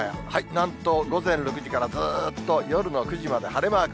なんと午前６時からずっと夜の９時まで晴れマーク。